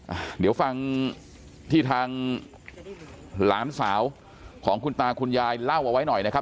อ่ะเดี๋ยวฟังที่ทางหลานสาวของคุณตาคุณยายเล่าเอาไว้หน่อยนะครับ